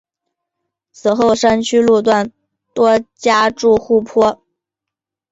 此后山区路段多加筑护坡。